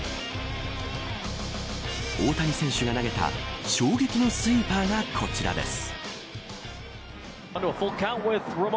大谷選手が投げた衝撃のスイーパーがこちらです。